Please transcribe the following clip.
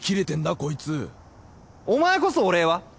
コイツお前こそお礼は？